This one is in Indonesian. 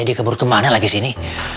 si lady kebur ke mana lagi sini